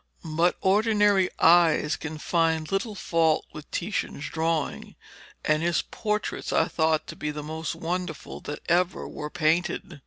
But ordinary eyes can find little fault with Titian's drawing, and his portraits are thought to be the most wonderful that ever were painted.